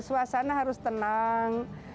suasana harus tenang